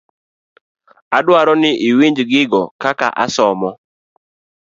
Adwaro ni iwinj gigo kaka asomo.